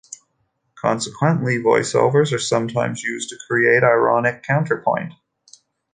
Consequently, voice-overs are sometimes used to create ironic counterpoint.